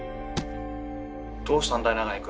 どうしたんだい？